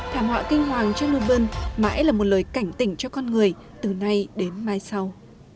thảm họa kinh hoàng jonnuburn mãi là một lời cảnh tỉnh cho con người từ nay đến mai sau